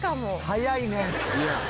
「早いね」